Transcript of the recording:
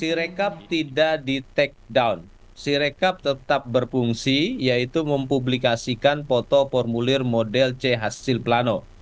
direkap tidak di take down si rekap tetap berfungsi yaitu mempublikasikan foto formulir model c hasil plano